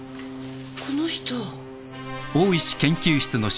この人。